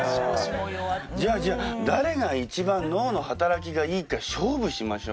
じゃあじゃあ誰が一番脳の働きがいいか勝負しましょうよ。